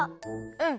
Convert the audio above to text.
うん。